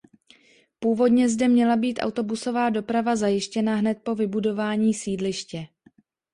Původně zde měla být autobusová doprava zajištěna hned po vybudování sídliště.